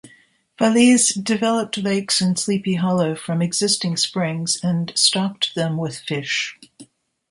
Falese developed lakes in Sleepy Hollow from existing springs and stocked them with fish.